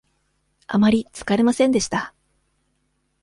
あまりつかれませんでした。